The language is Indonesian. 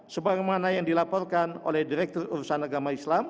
sebagaimana yang dilaporkan oleh direktur urkundi